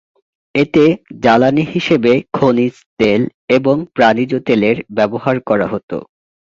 এতে জ্বালানী হিসেবে খনিজ তেল এবং প্রাণীজ তেলের ব্যবহার করা হত।